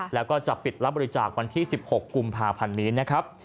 แล้วก็จะปิดรับบริจาควันที่๑๖กุมภาพันธ์นี้นะครับ